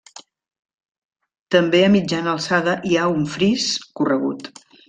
També a mitjana alçada hi ha un fris corregut.